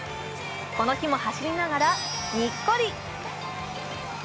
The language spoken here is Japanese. この日も走りながらニッコリ。